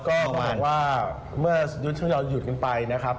ก็คือว่าเมื่อยุทธยนต์หยุดกันไปนะครับ